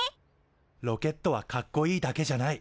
ロケットはかっこいいだけじゃない。